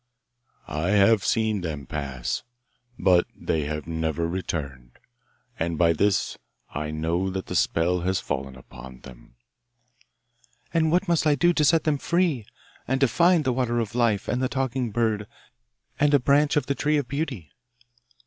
'I have seen them pass, but they have never returned, and by this I know that the spell has fallen upon them.' 'And what must I do to set them free, and to find the water of life, and the talking bird, and a branch of the tree of beauty?